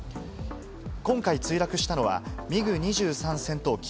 今回墜落したのは、ミグ２３戦闘機。